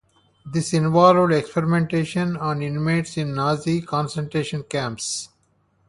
This involved experimentation on inmates in Nazi concentration camps.